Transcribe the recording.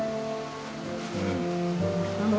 うん。